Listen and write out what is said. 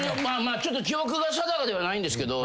ちょっと記憶が定かではないんですけど。